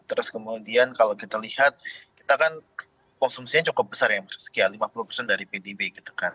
terus kemudian kalau kita lihat kita kan konsumsinya cukup besar ya sekian lima puluh persen dari pdb gitu kan